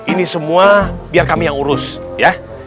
ini semua biar kami yang urus ya